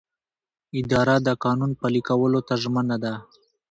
اداره د قانون پلي کولو ته ژمنه ده.